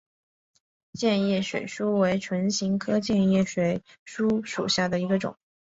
箭叶水苏为唇形科箭叶水苏属下的一个种。